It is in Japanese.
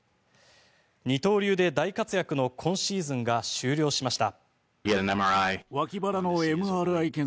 二刀流で大活躍の今シーズンが終了しました。